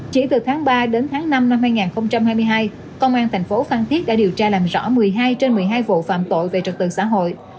chỉ từ tháng ba đến tháng năm năm hai nghìn hai mươi hai công an thành phố phan thiết đã điều tra làm rõ một mươi hai trên một mươi hai vụ phạm tội về trật tự xã hội